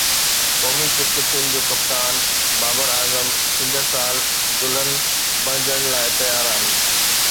قومي cricket team جو ڪپتان بابر اعظم ايندڙ سال دلہن بڻجڻ لاءِ تيار آهي